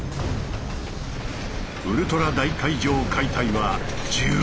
ウルトラ大階上解体は１８台！